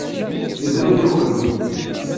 Ibra-d i weqjun.